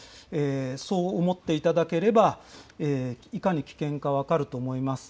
そう思っていただければ、いかに危険か分かると思います。